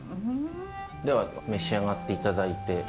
では召し上がって頂いて。